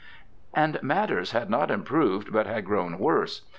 ^ And matters had not improved but had grown worse.